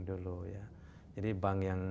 dulu ya jadi bank yang